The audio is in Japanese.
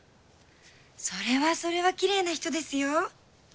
それはそれはきれいな人ですよ。